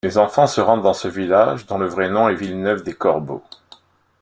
Les enfants se rendent dans ce village dont le vrai nom est Villeneuve-des-Corbeaux.